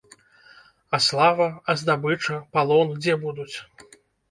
А слава, а здабыча, палон дзе будуць?